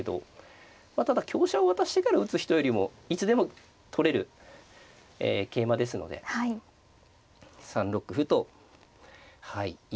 まあただ香車を渡してから打つ人よりもいつでも取れる桂馬ですので３六歩とはい今嫌だって言ったのでそこから。